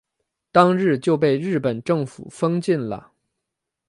当日就被日本政府封禁了。